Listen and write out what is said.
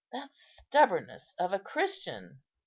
That stubbornness of a Christian!